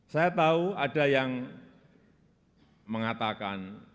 saya tahu ada yang mengatakan